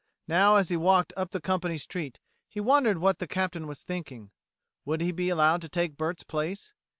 Now, as he walked up the company street, he wondered what the Captain was thinking. Would he be allowed to take Bert's place?